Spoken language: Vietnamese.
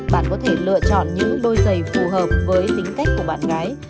bạn có thể lựa chọn những đôi giày phù hợp với tính cách của bạn gái